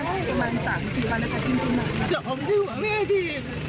มันอยู่ตะดูโลขาถูกข้าได้อยู่ซักที